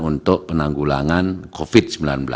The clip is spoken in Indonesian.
untuk penanggulangan covid sembilan belas